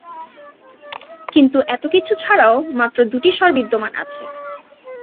কিন্তু এতো কিছু ছাড়াও মাত্র দুটি স্বর বিদ্যমান আছে।